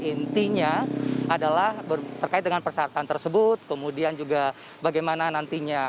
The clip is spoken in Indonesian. intinya adalah terkait dengan persyaratan tersebut kemudian juga bagaimana nantinya